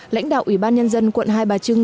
lãnh đạo ủy ban nhân dân quận hai bà trưng